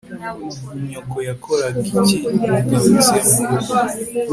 Nyoko yakoraga iki mugarutse murugo